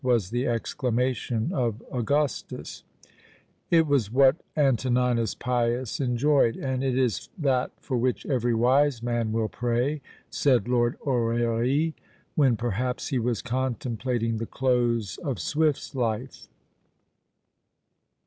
was the exclamation of Augustus; it was what Antoninus Pius enjoyed; and it is that for which every wise man will pray, said Lord Orrery, when perhaps he was contemplating the close of Swift's life.